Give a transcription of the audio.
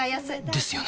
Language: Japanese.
ですよね